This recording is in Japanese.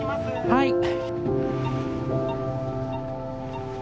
はい。